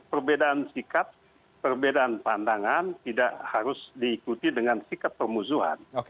perbedaan sikap perbedaan pandangan tidak harus diikuti dengan sikap permusuhan